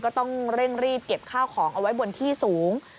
ก็ต้องเร่งรีบเก็บข้าวของเอาไว้บนที่สูง